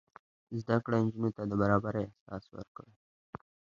زده کړه نجونو ته د برابرۍ احساس ورکوي.